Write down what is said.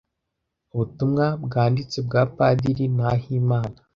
Ubutumwa bwanditse bwa padiri nahimana